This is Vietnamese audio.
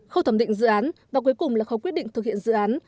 khâu thẩm định dự án và cuối cùng là khâu quyết định thực hiện dự án